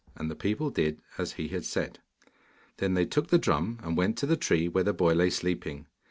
And the people did as he had said. Then they took the drum, and went to the tree where the boy lay sleeping.